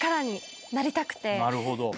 なるほど。